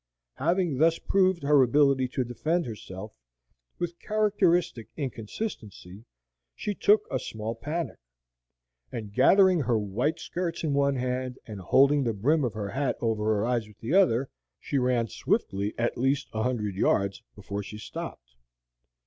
Having thus proved her ability to defend herself, with characteristic inconsistency she took a small panic, and, gathering her white skirts in one hand, and holding the brim of her hat over her eyes with the other, she ran swiftly at least a hundred yards before she stopped.